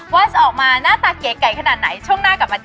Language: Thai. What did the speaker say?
ว่าจะออกมาหน้าตาเก๋ขนาดไหน